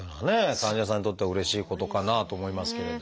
患者さんにとってはうれしいことかなと思いますけれど。